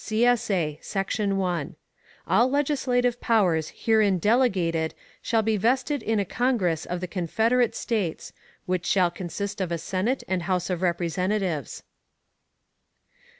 [CSA] Section 1. All legislative powers herein delegated shall be vested in a Congress of the Confederate States, which shall consist of a Senate and House of Representatives.